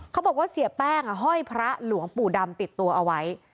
เขาบอกว่าเสียแป้งห้อยพระหลวงปู่ดำติดตัวเอาไว้